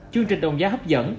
chương trình đồng giá hấp dẫn